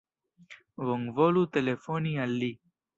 Bonvolu telefoni al li.